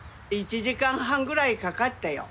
１時間半ぐらいかかったよ。